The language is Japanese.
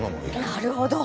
なるほど。